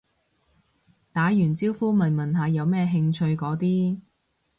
打完招呼咪問下有咩興趣嗰啲